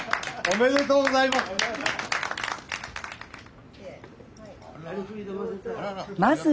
おめでとうございます。